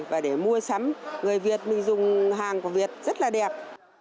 và để mua sắm người việt mình dùng hàng của việt rất là đẹp